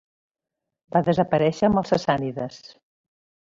Va desaparèixer amb els sassànides.